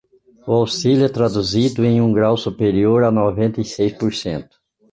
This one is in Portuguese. O auxílio é traduzido em um grau superior a noventa e seis por cento.